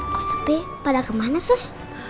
kok sepi pada kemana sih